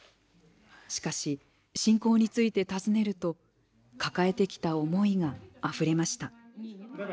しかし、侵攻について尋ねると抱えてきた思いがあふれました。